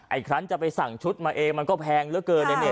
อีกครั้งจะไปสั่งชุดมาเองมันก็แพงเหลือเกิน